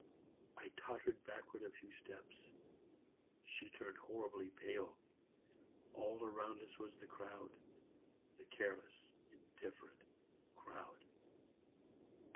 I tottered backwards a few steps. She turned horribly pale. All around us was the crowd the careless, indifferent crowd.